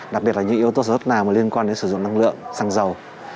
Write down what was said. đặc biệt là những yếu tố sản xuất nào liên quan đến sử dụng năng lượng xăng dầu